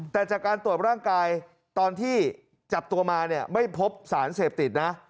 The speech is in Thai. แต่จากการตรวจร่างกายตอนที่จับตัวมาเนี่ยไม่พบสารเสพติดนะ